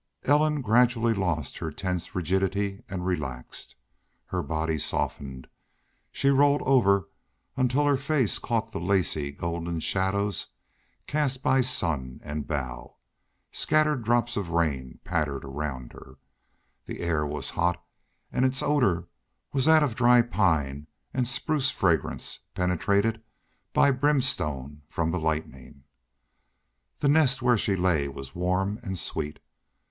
Ellen gradually lost her tense rigidity and relaxed. Her body softened. She rolled over until her face caught the lacy, golden shadows cast by sun and bough. Scattered drops of rain pattered around her. The air was hot, and its odor was that of dry pine and spruce fragrance penetrated by brimstone from the lightning. The nest where she lay was warm and sweet.